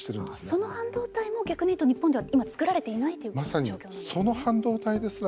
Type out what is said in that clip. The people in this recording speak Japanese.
その半導体も逆に言うと日本では今作られていないという状況なんですね。